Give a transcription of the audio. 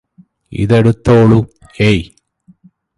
ഇതെടുത്തോളു ഏയ്